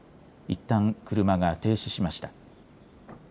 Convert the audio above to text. いったん車が停止しました。